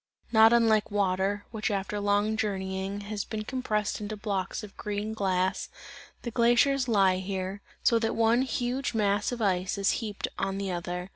Not unlike water, which after long journeying, has been compressed into blocks of green glass, the glaciers lie here, so that one huge mass of ice is heaped on the other.